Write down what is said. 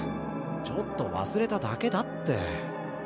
ちょっと忘れただけだって。